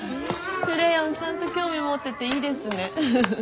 クレヨンちゃんと興味持ってていいですね。